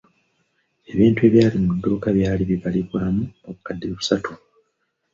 Ebintu ebyali mu dduuka byali bibalirwamu obukadde busatu.